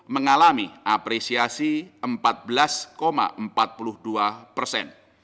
mengalami apresiasi empat belas empat puluh dua persen